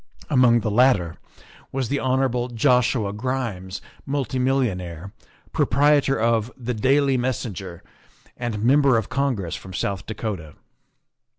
Among the latter was the Hon. Joshua Grimes, multi millionaire, proprietor of the Daily Messenger, and Member of Congress from South Dakota.